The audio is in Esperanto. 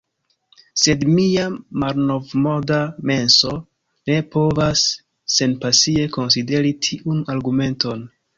Sed mia malnovmoda menso ne povas senpasie konsideri tiun argumenton.